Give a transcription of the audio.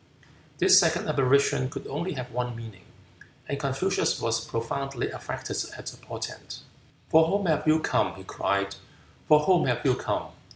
This second apparition could only have one meaning, and Confucius was profoundly affected at the portent. "For whom have you come?" he cried, "for whom have you come?"